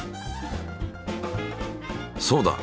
そうだ。